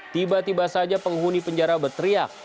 tiba tiba saja penghuni penjara berteriak